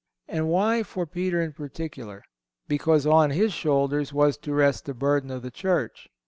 And why for Peter in particular? Because on his shoulders was to rest the burden of the Church.